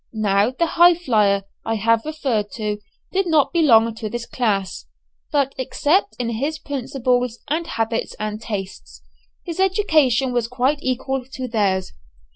Now the "highflyer" I have referred to did not belong to this class, but except in his principles and habits and tastes, his education was quite equal to theirs.